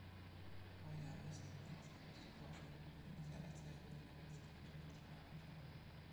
Borja ist der sechste Torschützenkönig aller Zeiten in der mexikanischen Nationalmannschaft.